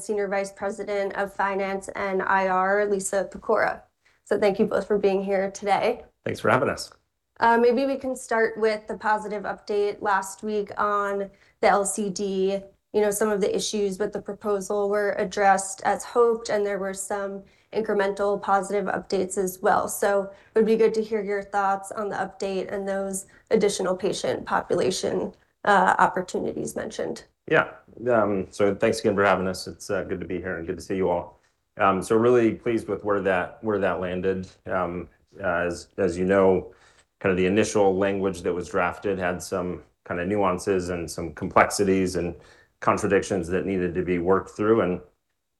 Senior Vice President of Finance and IR, Lisa Pecora. Thank you both for being here today. Thanks for having us. Maybe we can start with the positive update last week on the LCD. You know, some of the issues with the proposal were addressed as hoped, and there were some incremental positive updates as well. It would be good to hear your thoughts on the update and those additional patient population opportunities mentioned. Yeah. Thanks again for having us. It's good to be here and good to see you all. Really pleased with where that landed. As you know, kind of the initial language that was drafted had some kind of nuances and some complexities and contradictions that needed to be worked through.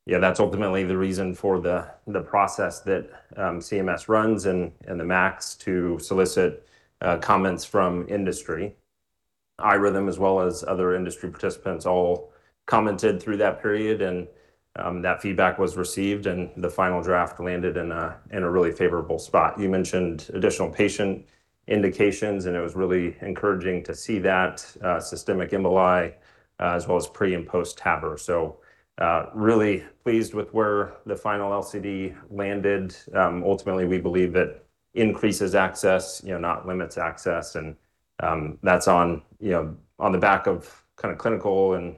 That's ultimately the reason for the process that CMS runs and the MACs to solicit comments from industry. iRhythm, as well as other industry participants, all commented through that period. That feedback was received, and the final draft landed in a really favorable spot. You mentioned additional patient indications. It was really encouraging to see that systemic emboli, as well as pre- and post-TAVR. Really pleased with where the final LCD landed. Ultimately, we believe it increases access, you know, not limits access, and that's on, you know, on the back of kind of clinical and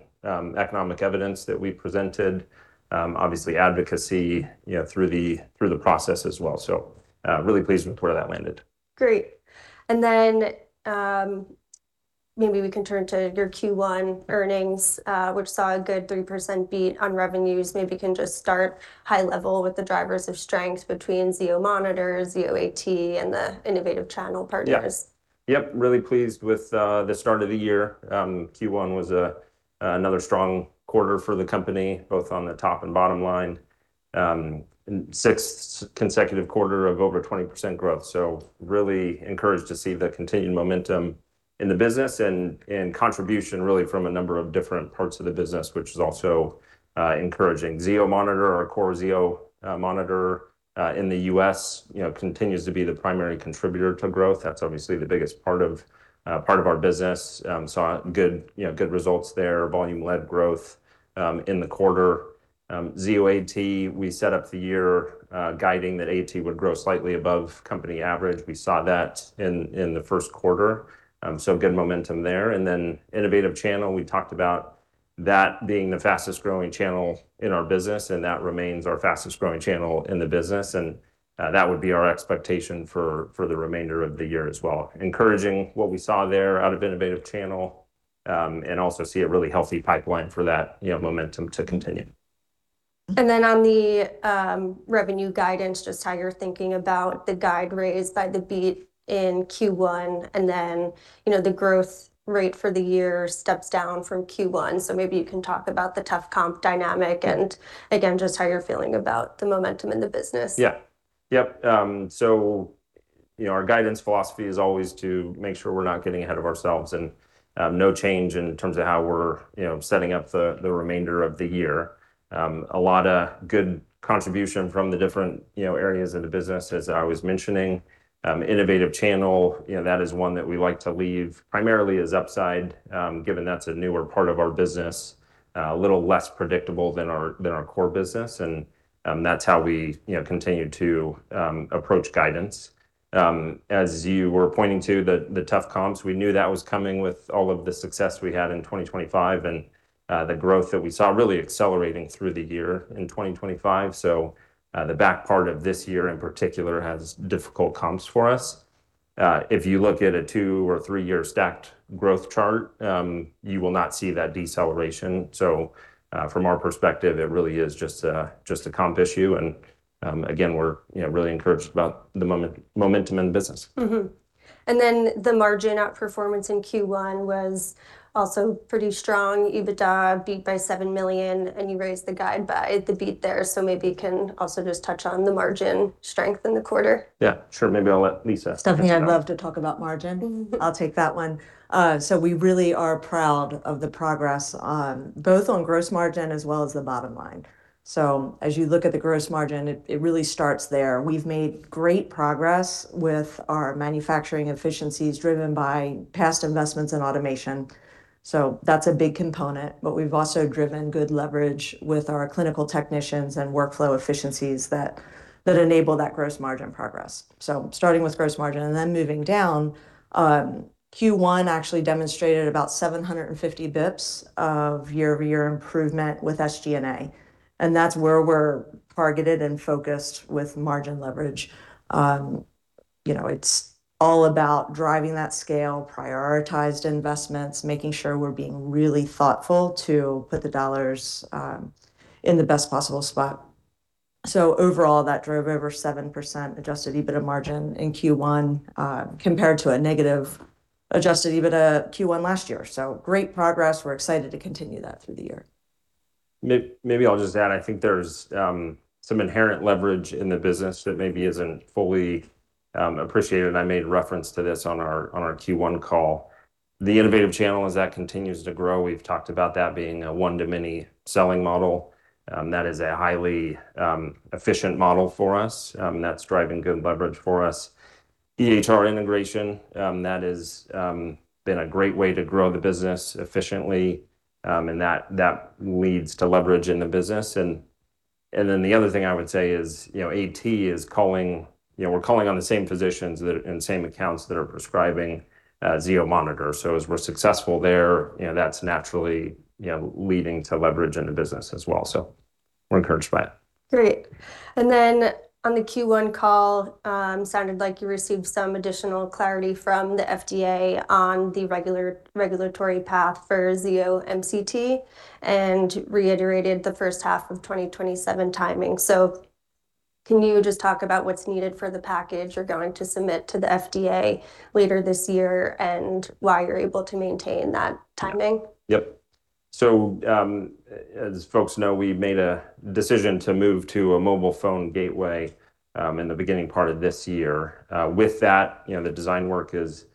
economic evidence that we presented. Obviously advocacy, you know, through the process as well. Really pleased with where that landed. Great. Maybe we can turn to your Q1 earnings, which saw a good 3% beat on revenues. Maybe you can just start high level with the drivers of strength between Zio Monitors, Zio AT, and the innovative channel partners. Yeah. Yep, really pleased with the start of the year. Q1 was another strong quarter for the company, both on the top and bottom line. Sixth consecutive quarter of over 20% growth. Really encouraged to see the continued momentum in the business and contribution really from a number of different parts of the business, which is also encouraging. Zio Monitor, our core Zio Monitor, in the U.S., you know, continues to be the primary contributor to growth. That's obviously the biggest part of our business. Saw good, you know, good results there. Volume-led growth in the quarter. Zio AT, we set up the year guiding that AT would grow slightly above company average. We saw that in the first quarter, good momentum there. Innovative channel, we talked about that being the fastest-growing channel in our business, and that remains our fastest-growing channel in the business, and that would be our expectation for the remainder of the year as well. Encouraging what we saw there out of innovative channel, and also see a really healthy pipeline for that, you know, momentum to continue. On the revenue guidance, just how you're thinking about the guide raised by the beat in Q1, and then, you know, the growth rate for the year steps down from Q1. Maybe you can talk about the tough comp dynamic and again, just how you're feeling about the momentum in the business. Yeah. Yep, you know, our guidance philosophy is always to make sure we're not getting ahead of ourselves, and no change in terms of how we're, you know, setting up the remainder of the year. A lot of good contribution from the different, you know, areas of the business, as I was mentioning. Innovative channel, you know, that is one that we like to leave primarily as upside, given that's a newer part of our business. A little less predictable than our core business, and that's how we, you know, continue to approach guidance. As you were pointing to, the tough comps, we knew that was coming with all of the success we had in 2025 and the growth that we saw really accelerating through the year in 2025. The back part of this year in particular has difficult comps for us. If you look at a two or three-year stacked growth chart, you will not see that deceleration. From our perspective, it really is just a comp issue. Again, we're, you know, really encouraged about the momentum in the business. The margin outperformance in Q1 was also pretty strong. EBITDA beat by $7 million. You raised the guide by the beat there. Maybe you can also just touch on the margin strength in the quarter. Yeah, sure. Maybe I'll let Lisa- Stephanie, I'd love to talk about margin. I'll take that one. We really are proud of the progress on, both on gross margin as well as the bottom line. As you look at the gross margin, it really starts there. We've made great progress with our manufacturing efficiencies driven by past investments in automation. That's a big component. We've also driven good leverage with our clinical technicians and workflow efficiencies that enable that gross margin progress. Starting with gross margin and then moving down, Q1 actually demonstrated about 750 basis points of year-over-year improvement with SG&A, and that's where we're targeted and focused with margin leverage. You know, it's all about driving that scale, prioritized investments, making sure we're being really thoughtful to put the dollars in the best possible spot. Overall, that drove over 7% adjusted EBITDA margin in Q1 compared to a negative adjusted EBITDA Q1 last year. Great progress. We're excited to continue that through the year. Maybe I'll just add, I think there's some inherent leverage in the business that maybe isn't fully appreciated. I made reference to this on our Q1 call. The innovative channel, as that continues to grow, we've talked about that being a one-to-many selling model. That is a highly efficient model for us. That's driving good leverage for us. EHR integration, that is been a great way to grow the business efficiently. That leads to leverage in the business. Then the other thing I would say is, you know, AT is calling, you know, we're calling on the same physicians and same accounts that are prescribing Zio Monitor. As we're successful there, you know, that's naturally, you know, leading to leverage in the business as well. We're encouraged by it. Great. On the Q1 call, sounded like you received some additional clarity from the FDA on the regulatory path for Zio MCT and reiterated the first half of 2027 timing. Can you just talk about what's needed for the package you're going to submit to the FDA later this year and why you're able to maintain that timing? Yep. As folks know, we made a decision to move to a mobile phone gateway in the beginning part of this year. With that, you know, the design work is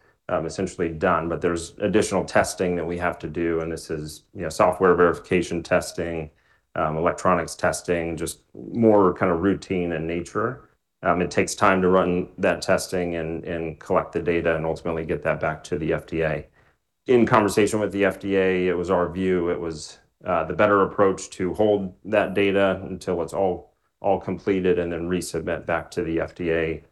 essentially done, but there's additional testing that we have to do, and this is, you know, software verification testing, electronics testing, just more kind of routine in nature. It takes time to run that testing and collect the data and ultimately get that back to the FDA. In conversation with the FDA, it was our view, it was the better approach to hold that data until it's all completed and then resubmit back to the FDA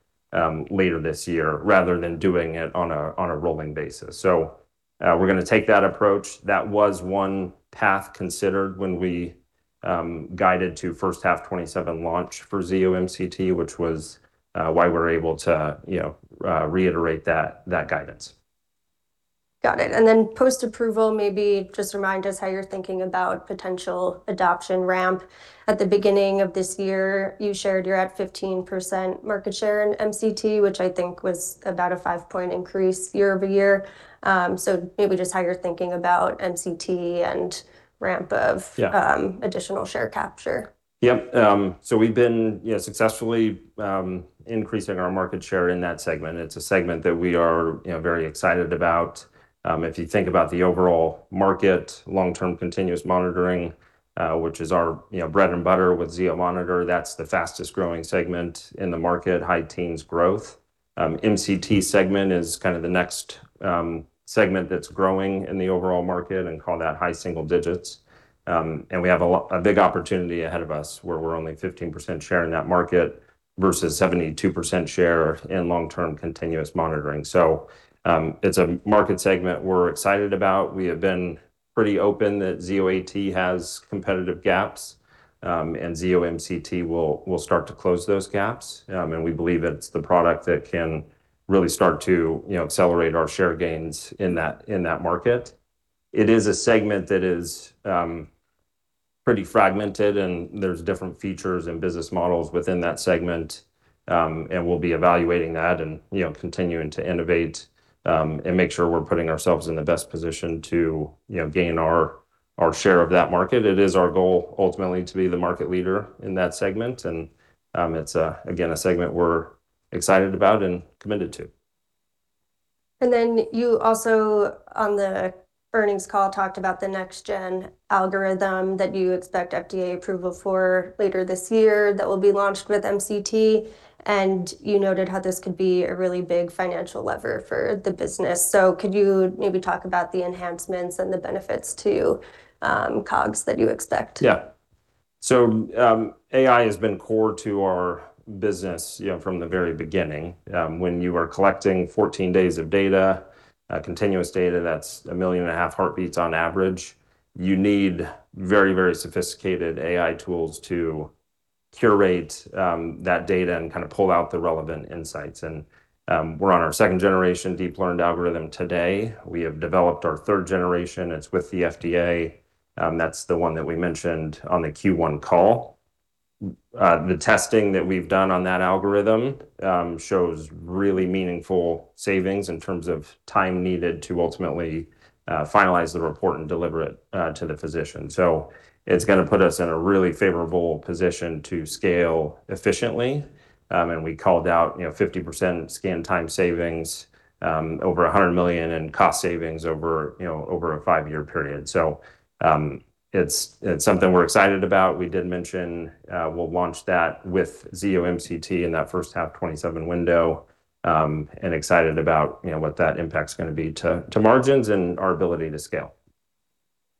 later this year rather than doing it on a rolling basis. We're gonna take that approach. That was one path considered when we guided to first half 2027 launch for Zio MCT, which was why we're able to, you know, reiterate that guidance. Got it. Then post-approval, maybe just remind us how you're thinking about potential adoption ramp. At the beginning of this year, you shared you're at 15% market share in MCT, which I think was about a five-point increase year-over-year. Maybe just how you're thinking about MCT and ramp. Yeah of additional share capture. Yep. We've been, you know, successfully increasing our market share in that segment. It's a segment that we are, you know, very excited about. If you think about the overall market, long-term continuous monitoring, which is our, you know, bread and butter with Zio Monitor, that's the fastest-growing segment in the market, high teens growth. MCT segment is kind of the next segment that's growing in the overall market and call that high single digits. We have a lot a big opportunity ahead of us where we're only 15% share in that market versus 72% share in long-term continuous monitoring. It's a market segment we're excited about. We have been pretty open that Zio AT has competitive gaps, Zio MCT will start to close those gaps. We believe it's the product that can really start to, you know, accelerate our share gains in that, in that market. It is a segment that is pretty fragmented, and there's different features and business models within that segment. We'll be evaluating that and, you know, continuing to innovate, and make sure we're putting ourselves in the best position to, you know, gain our share of that market. It is our goal ultimately to be the market leader in that segment. It's again, a segment we're excited about and committed to. You also, on the earnings call, talked about the next gen algorithm that you expect FDA approval for later this year that will be launched with MCT, and you noted how this could be a really big financial lever for the business. Could you maybe talk about the enhancements and the benefits to COGS that you expect? AI has been core to our business, you know, from the very beginning. When you are collecting 14 days of data, continuous data, that's 1.5 million heartbeats on average, you need very, very sophisticated AI tools to curate that data and kind of pull out the relevant insights. We're on our second generation deep learned algorithm today. We have developed our third generation. It's with the FDA. That's the one that we mentioned on the Q1 call. The testing that we've done on that algorithm shows really meaningful savings in terms of time needed to ultimately finalize the report and deliver it to the physician. It's going to put us in a really favorable position to scale efficiently. We called out, you know, 50% scan time savings over $100 million in cost savings over, you know, over a five-year period. It's something we're excited about. We did mention, we'll launch that with Zio MCT in that first half 2027 window, and excited about, you know, what that impact's gonna be to margins and our ability to scale.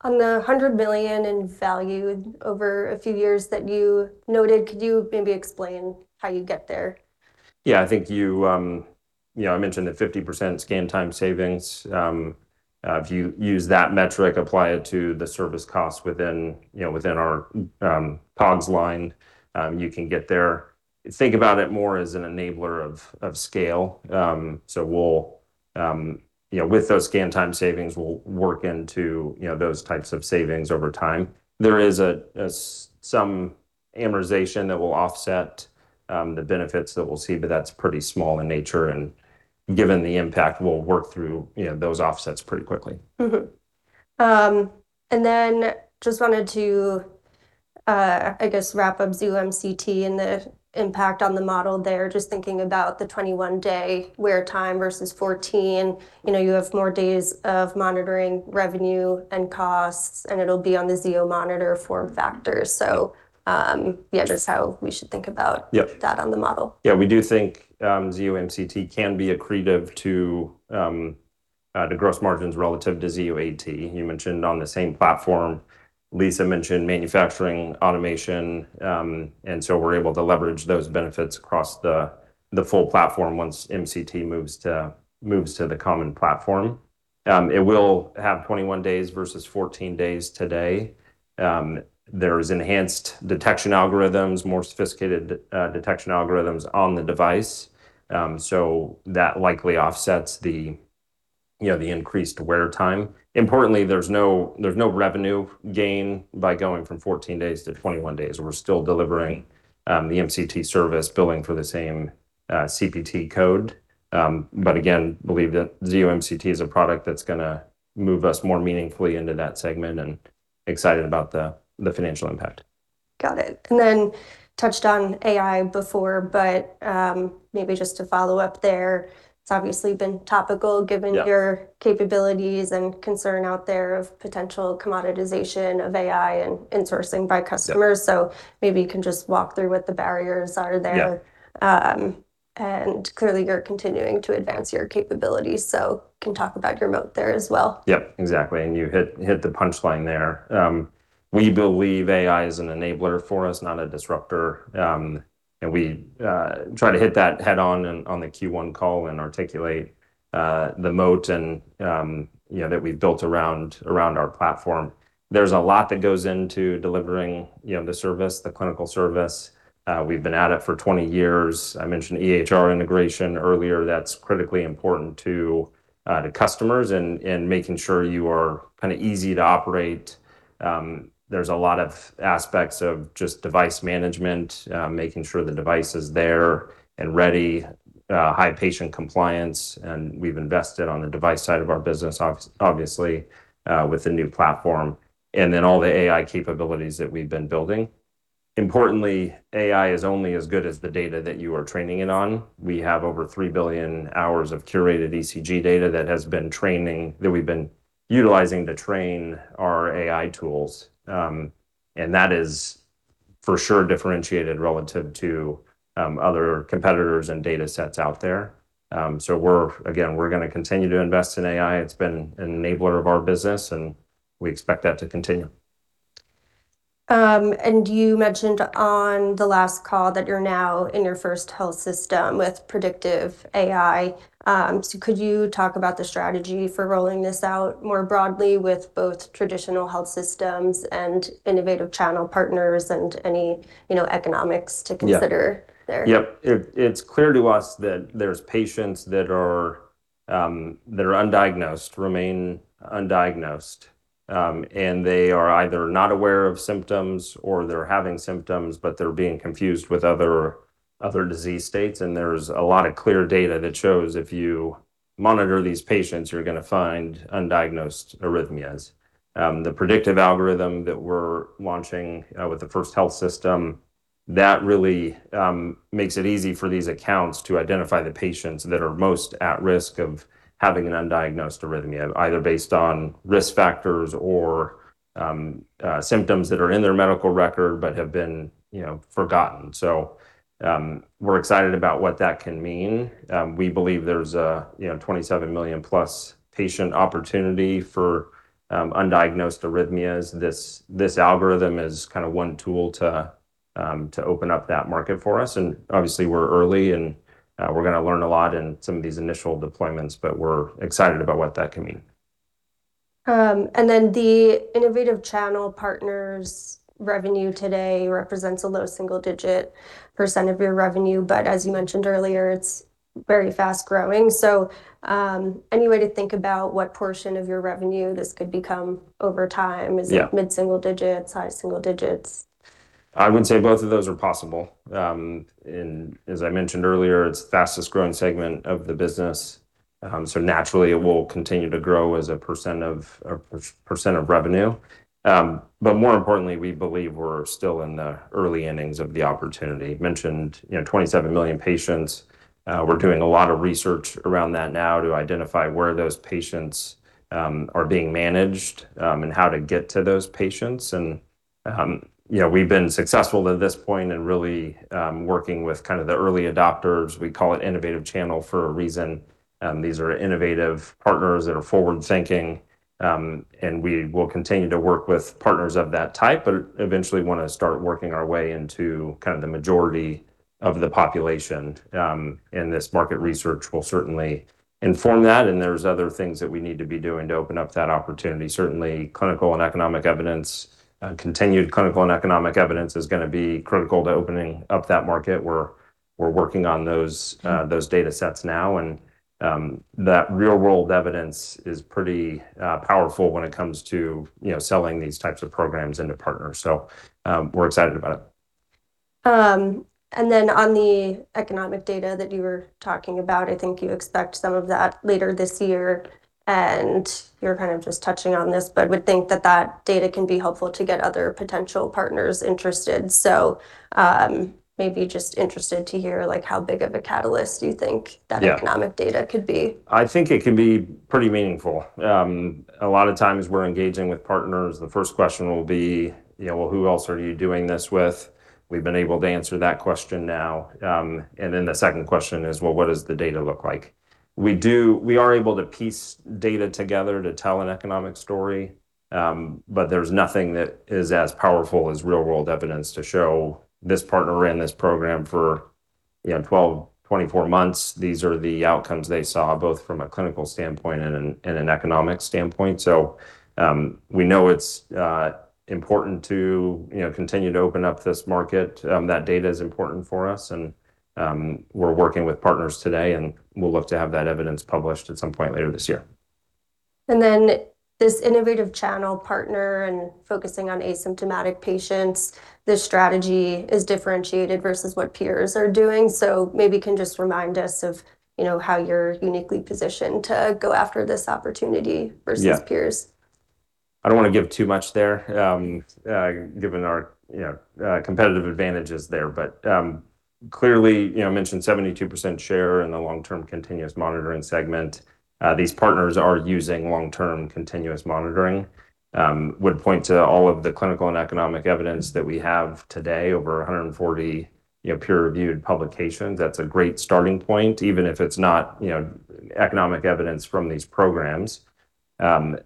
On the $100 million in value over a few years that you noted, could you maybe explain how you get there? You know, I mentioned the 50% scan time savings. If you use that metric, apply it to the service cost within, you know, within our COGS line, you can get there. Think about it more as an enabler of scale. We'll, you know, with those scan time savings, we'll work into, you know, those types of savings over time. There is some amortization that will offset the benefits that we'll see, but that's pretty small in nature and given the impact we'll work through, you know, those offsets pretty quickly. Mm-hmm. Then just wanted to, I guess wrap up Zio MCT and the impact on the model there. Just thinking about the 21-day wear time versus 14, you know, you have more days of monitoring revenue and costs, and it'll be on the Zio Monitor form factor. Yeah, just how we should think about- Yep. that on the model. We do think Zio MCT can be accretive to the gross margins relative to Zio AT. You mentioned on the same platform. Lisa mentioned manufacturing automation. We're able to leverage those benefits across the full platform once MCT moves to the common platform. It will have 21 days versus 14 days today. There's enhanced detection algorithms, more sophisticated detection algorithms on the device. That likely offsets the, you know, the increased wear time. Importantly, there's no revenue gain by going from 14 days to 21 days. We're still delivering the MCT service billing for the same CPT code. Again, believe that Zio MCT is a product that's gonna move us more meaningfully into that segment and excited about the financial impact. Got it. Touched on AI before, but, maybe just to follow up there, it's obviously been topical given- Yeah. your capabilities and concern out there of potential commoditization of AI and insourcing by customers. Yeah. Maybe you can just walk through what the barriers are there. Yeah. Clearly you're continuing to advance your capabilities, can talk about your moat there as well. Yeah, exactly. You hit the punchline there. We believe AI is an enabler for us, not a disruptor. We try to hit that head-on, on the Q1 call and articulate the moat and, you know, that we've built around our platform. There's a lot that goes into delivering, you know, the service, the clinical service. We've been at it for 20 years. I mentioned EHR integration earlier. That's critically important to customers and making sure you are kind of easy to operate. There's a lot of aspects of just device management, making sure the device is there and ready, high patient compliance, and we've invested on the device side of our business obviously, with the new platform, and then all the AI capabilities that we've been building. Importantly, AI is only as good as the data that you are training it on. We have over 3 billion hours of curated ECG data that we've been utilizing to train our AI tools. That is for sure differentiated relative to other competitors and data sets out there. Again, we're gonna continue to invest in AI. It's been an enabler of our business, and we expect that to continue. You mentioned on the last call that you're now in your first health system with predictive AI. Could you talk about the strategy for rolling this out more broadly with both traditional health systems and innovative channel partners and any, you know, economics to consider. Yeah there? Yeah. It's clear to us that there's patients that are undiagnosed, remain undiagnosed. They are either not aware of symptoms or they're having symptoms, but they're being confused with other disease states. There's a lot of clear data that shows if you monitor these patients, you're gonna find undiagnosed arrhythmias. The predictive algorithm that we're launching with the first health system, that really makes it easy for these accounts to identify the patients that are most at risk of having an undiagnosed arrhythmia, either based on risk factors or symptoms that are in their medical record but have been, you know, forgotten. We're excited about what that can mean. We believe there's a, you know, 27 million+ patient opportunity for undiagnosed arrhythmias. This algorithm is kind of one tool to open up that market for us. Obviously we're early, and we're gonna learn a lot in some of these initial deployments, but we're excited about what that can mean. The innovative channel partners revenue today represents a low single-digit % of your revenue, but as you mentioned earlier, it's very fast-growing. Any way to think about what portion of your revenue this could become over time? Yeah. Is it mid-single digits, high single digits? I would say both of those are possible. As I mentioned earlier, it's the fastest-growing segment of the business. Naturally it will continue to grow as a percent of revenue. More importantly, we believe we're still in the early innings of the opportunity. Mentioned, you know, 27 million patients. We're doing a lot of research around that now to identify where those patients are being managed, how to get to those patients. You know, we've been successful to this point in really working with kind of the early adopters. We call it innovative channel for a reason. These are innovative partners that are forward-thinking. We will continue to work with partners of that type, but eventually wanna start working our way into kind of the majority of the population. This market research will certainly inform that, and there's other things that we need to be doing to open up that opportunity. Certainly, clinical and economic evidence, continued clinical and economic evidence is gonna be critical to opening up that market. We're working on those data sets now. That real-world evidence is pretty powerful when it comes to, you know, selling these types of programs into partners. We're excited about it. On the economic data that you were talking about, I think you expect some of that later this year, and you're kind of just touching on this, but would think that that data can be helpful to get other potential partners interested. Maybe just interested to hear, like, how big of a catalyst do you think? Yeah that economic data could be? I think it can be pretty meaningful. A lot of times we're engaging with partners, the first question will be, you know, "Well, who else are you doing this with?" We've been able to answer that question now. Then the second question is, "Well, what does the data look like?" We are able to piece data together to tell an economic story, there's nothing that is as powerful as real-world evidence to show this partner ran this program for, you know, 12, 24 months. These are the outcomes they saw, both from a clinical standpoint and an economic standpoint. We know it's important to, you know, continue to open up this market. That data is important for us and we're working with partners today, and we'll look to have that evidence published at some point later this year. This innovative channel partner and focusing on asymptomatic patients, this strategy is differentiated versus what peers are doing. Maybe you can just remind us of, you know, how you're uniquely positioned to go after this opportunity? Yeah versus peers. I don't want to give too much there, given our, you know, competitive advantages there. Clearly, you know, I mentioned 72% share in the long-term continuous monitoring segment. These partners are using long-term continuous monitoring. Would point to all of the clinical and economic evidence that we have today, over 140, you know, peer-reviewed publications. That's a great starting point, even if it's not, you know, economic evidence from these programs. You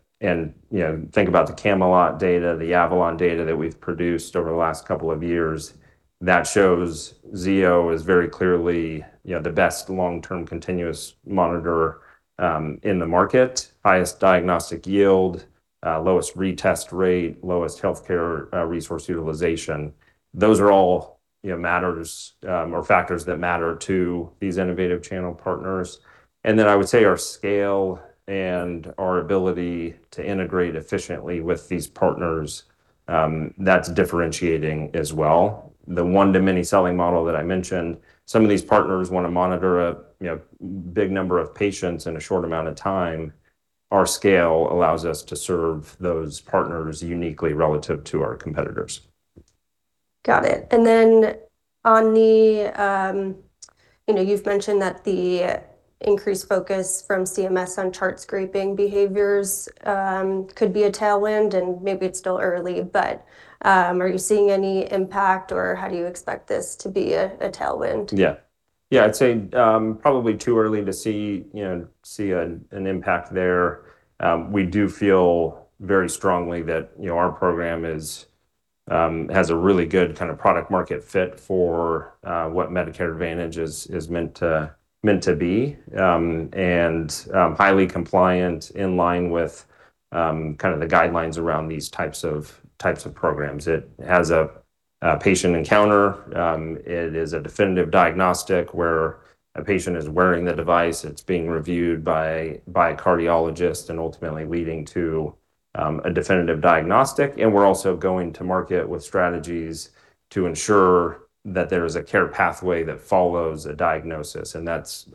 know, think about the CAMELOT data, the AVALON data that we've produced over the last couple of years. That shows Zio is very clearly, you know, the best long-term continuous monitor in the market. Highest diagnostic yield, lowest retest rate, lowest healthcare, resource utilization. Those are all, you know, matters, or factors that matter to these innovative channel partners. I would say our scale and our ability to integrate efficiently with these partners, that's differentiating as well. The one-to-many selling model that I mentioned, some of these partners want to monitor a, you know, big number of patients in a short amount of time. Our scale allows us to serve those partners uniquely relative to our competitors. Got it. On the, you know, you've mentioned that the increased focus from CMS on chart scraping behaviors, could be a tailwind, and maybe it's still early. Are you seeing any impact, or how do you expect this to be a tailwind? Yeah. Yeah, I'd say, probably too early to see, you know, see an impact there. We do feel very strongly that, you know, our program is has a really good kind of product market fit for what Medicare Advantage is meant to be. Highly compliant in line with kind of the guidelines around these types of programs. It has a patient encounter. It is a definitive diagnostic where a patient is wearing the device, it's being reviewed by a cardiologist, and ultimately leading to a definitive diagnostic. We're also going to market with strategies to ensure that there is a care pathway that follows a diagnosis. That's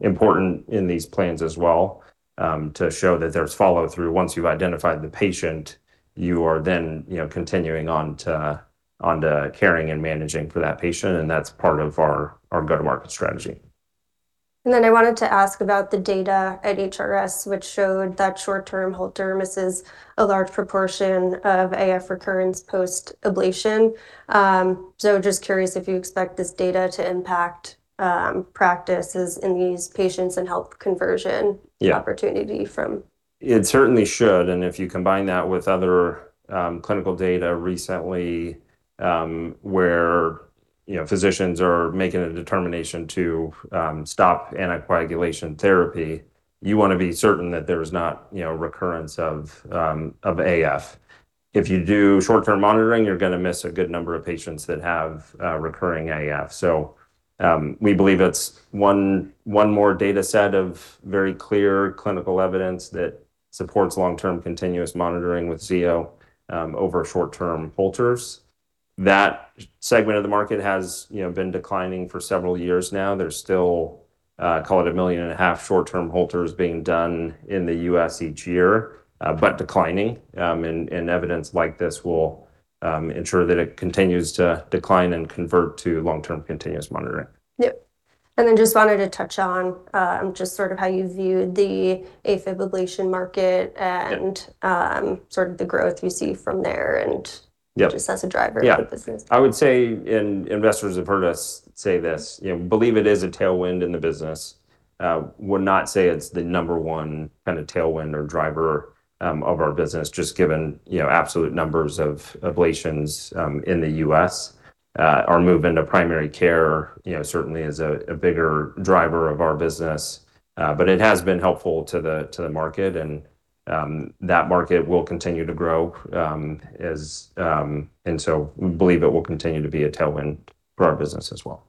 important in these plans as well to show that there's follow-through. Once you've identified the patient, you are then, you know, continuing on to caring and managing for that patient. That's part of our go-to-market strategy. I wanted to ask about the data at HRS, which showed that short-term Holter misses a large proportion of AF recurrence post-ablation. Just curious if you expect this data to impact practices in these patients and help conversion. Yeah opportunity from. It certainly should. If you combine that with other clinical data recently, where, you know, physicians are making a determination to stop anticoagulation therapy, you want to be certain that there is not, you know, recurrence of AF. If you do short-term monitoring, you're gonna miss a good number of patients that have recurring AF. We believe it's one more data set of very clear clinical evidence that supports long-term continuous monitoring with Zio over short-term Holters. That segment of the market has, you know, been declining for several years now. There's still, call it 1.5 million short-term Holters being done in the U.S. each year, but declining. Evidence like this will ensure that it continues to decline and convert to long-term continuous monitoring. Yep. Just wanted to touch on, just sort of how you view the AFib ablation market. Yeah Sort of the growth you see from there. Yeah just as a driver- Yeah of the business. I would say, and investors have heard us say this, you know, believe it is a tailwind in the business. would not say it's the number one kind of tailwind or driver of our business, just given, you know, absolute numbers of ablations in the U.S. Our move into primary care, you know, certainly is a bigger driver of our business. But it has been helpful to the market and that market will continue to grow as we believe it will continue to be a tailwind for our business as well.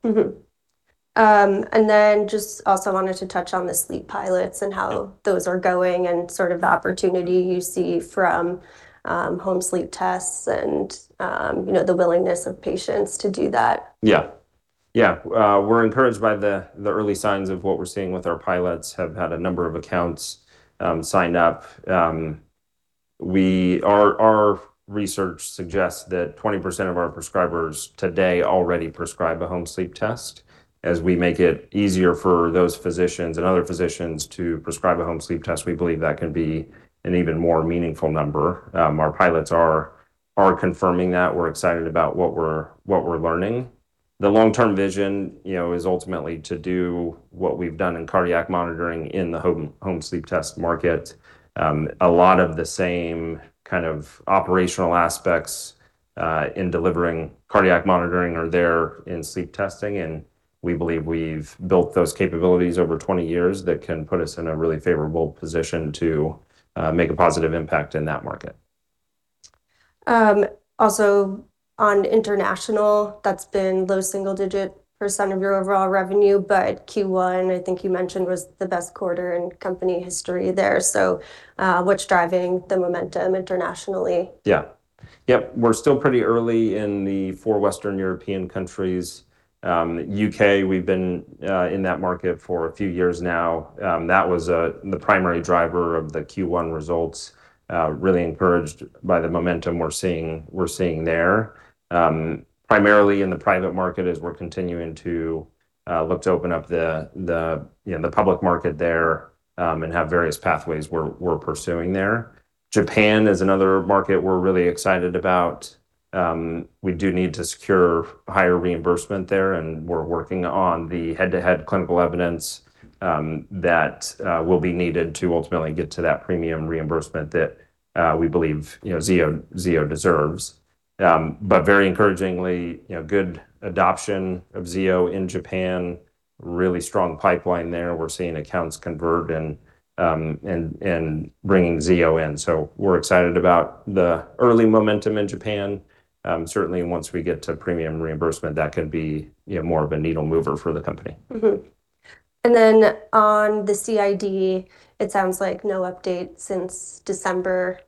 Just also wanted to touch on the sleep pilots and how those are going and sort of the opportunity you see from home sleep tests and, you know, the willingness of patients to do that. Yeah. Yeah. We're encouraged by the early signs of what we're seeing with our pilots. Have had a number of accounts sign up. Our research suggests that 20% of our prescribers today already prescribe a home sleep test. As we make it easier for those physicians and other physicians to prescribe a home sleep test, we believe that can be an even more meaningful number. Our pilots are confirming that. We're excited about what we're learning. The long-term vision, you know, is ultimately to do what we've done in cardiac monitoring in the home sleep test market. A lot of the same kind of operational aspects, in delivering cardiac monitoring are there in sleep testing, and we believe we've built those capabilities over 20 years that can put us in a really favorable position to make a positive impact in that market. Also on international, that's been low single-digit percent of your overall revenue. Q1, I think you mentioned, was the best quarter in company history there. What's driving the momentum internationally? Yeah. Yep. We're still pretty early in the four Western European countries. U.K., we've been in that market for a few years now. That was the primary driver of the Q1 results. Really encouraged by the momentum we're seeing there. Primarily in the private market as we're continuing to look to open up the, you know, the public market there and have various pathways we're pursuing there. Japan is another market we're really excited about. We do need to secure higher reimbursement there, and we're working on the head-to-head clinical evidence that will be needed to ultimately get to that premium reimbursement that we believe, you know, Zio deserves. But very encouragingly, you know, good adoption of Zio in Japan. Really strong pipeline there. We're seeing accounts convert and bringing Zio in. We're excited about the early momentum in Japan. Certainly once we get to premium reimbursement, that could be, you know, more of a needle mover for the company. Mm-hmm. Then on the CID, it sounds like no update since December.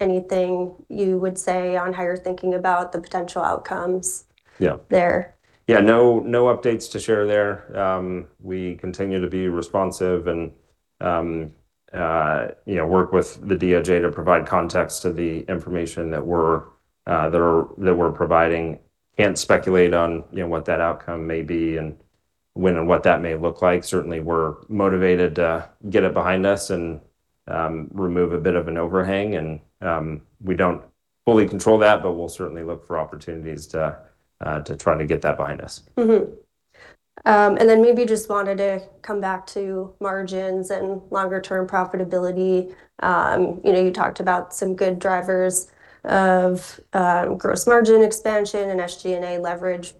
Anything you would say on how you're thinking about the potential outcomes? Yeah there? Yeah, no updates to share there. We continue to be responsive and, you know, work with the DOJ to provide context to the information that we're providing. Can't speculate on, you know, what that outcome may be and when and what that may look like. Certainly we're motivated to get it behind us and remove a bit of an overhang and we don't fully control that, but we'll certainly look for opportunities to try to get that behind us. Mm-hmm. Maybe just wanted to come back to margins and longer term profitability. You know, you talked about some good drivers of gross margin expansion and SG&A leverage.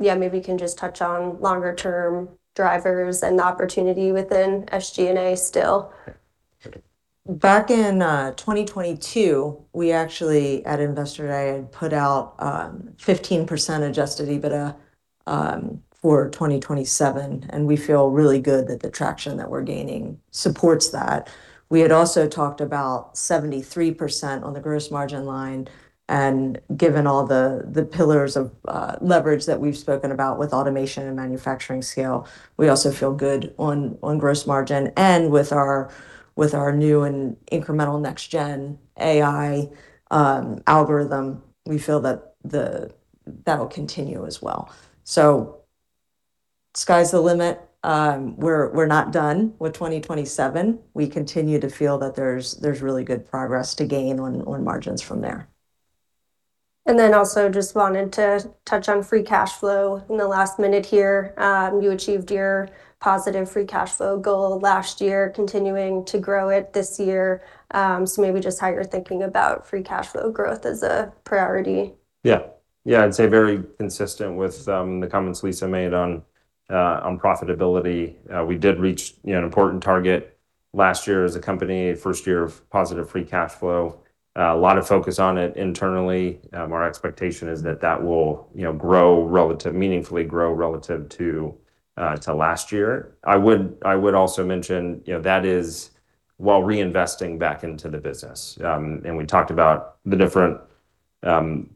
Yeah, maybe you can just touch on longer term drivers and the opportunity within SG&A still. Back in 2022, we actually at Investor Day had put out 15% adjusted EBITDA for 2027, we feel really good that the traction that we're gaining supports that. We had also talked about 73% on the gross margin line, given all the pillars of leverage that we've spoken about with automation and manufacturing scale, we also feel good on gross margin. With our new and incremental next-gen AI algorithm, we feel that that'll continue as well. Sky's the limit. We're not done with 2027. We continue to feel that there's really good progress to gain on margins from there. Also just wanted to touch on free cash flow in the last minute here. You achieved your positive free cash flow goal last year, continuing to grow it this year. Maybe just how you're thinking about free cash flow growth as a priority. Yeah. Yeah, I'd say very consistent with the comments Lisa made on profitability. We did reach, you know, an important target last year as a company, first year of positive free cash flow. A lot of focus on it internally. Our expectation is that that will, you know, meaningfully grow relative to last year. I would also mention, you know, that is while reinvesting back into the business. We talked about the different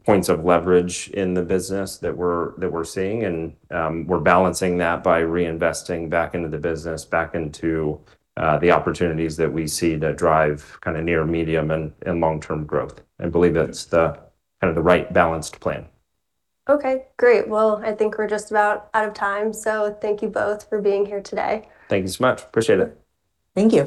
points of leverage in the business that we're seeing. We're balancing that by reinvesting back into the business, back into the opportunities that we see that drive kinda near medium and long-term growth and believe it's the kind of the right balanced plan. Okay, great. Well, I think we're just about out of time, so thank you both for being here today. Thank you so much. Appreciate it. Thank you.